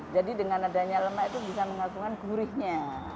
jadi dengan adanya lemak itu bisa mengatakan gurihnya